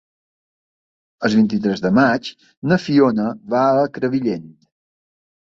El vint-i-tres de maig na Fiona va a Crevillent.